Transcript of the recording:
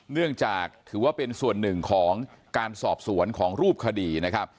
เนื่องจากถือว่าเป็นส่วนหนึ่งของการสอบสวนของรูปคดีนะครับ